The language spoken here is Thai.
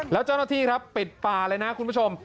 แล้วเจ้าหน้าที่ครับปิดป่าเลยนะคุณผู้ชม